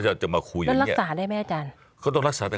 ได้เรื่องรักษาเนี่ย